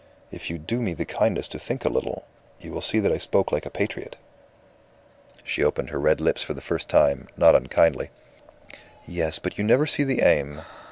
If you do me the kindness to think a little you will see that I spoke like a patriot." She opened her red lips for the first time, not unkindly. "Yes, but you never see the aim.